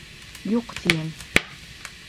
Юҡ, тием!